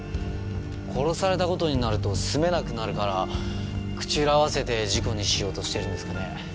殺された事になると住めなくなるから口裏合わせて事故にしようとしてるんですかね？